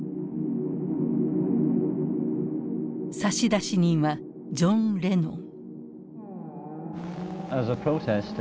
差出人はジョン・レノン。